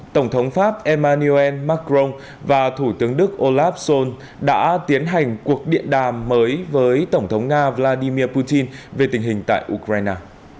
tổng thống pháp emmanuel macron và thủ tướng đức olaf sol đã tiến hành cuộc điện đàm mới với tổng thống nga vladimir putin về tình hình tại ukraine